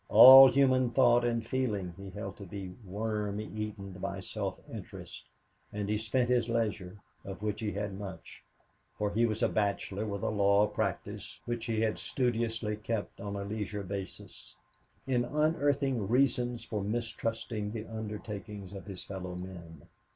All human thought and feeling he held to be worm eaten by self interest, and he spent his leisure, of which he had much, for he was a bachelor with a law practice which he had studiously kept on a leisure basis, in unearthing reasons for mistrusting the undertakings of his fellowmen.